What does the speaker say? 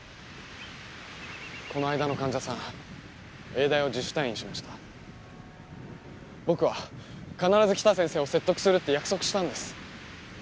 こないだの患者さん永大を自主退院しました僕は必ず北先生を説得するって約束したんです